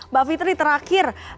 mbak fitri terakhir